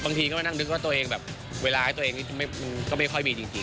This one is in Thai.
บางทีก็มานั่งนึกว่าตัวเองแบบเวลาให้ตัวเองนี่มันก็ไม่ค่อยมีจริง